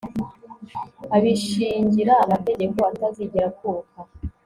abishingira amategeko atazigera akuka